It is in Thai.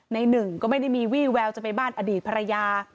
หนึ่งก็ไม่ได้มีวี่แววจะไปบ้านอดีตภรรยา